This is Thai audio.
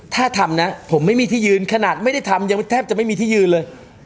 ถ้าทำนะผมไม่มีที่ยืนขนาดไม่ได้ทำยังแทบจะไม่มีที่ยืนเลย